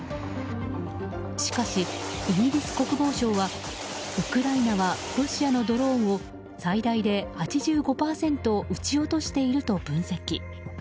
しかし、イギリス国防省はウクライナはロシアのドローンを最大で８５％撃ち落としていると分析。